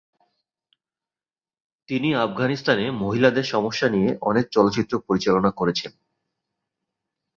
তিনি আফগানিস্তানে মহিলাদের সমস্যা নিয়ে অনেক চলচ্চিত্র পরিচালনা করেছেন।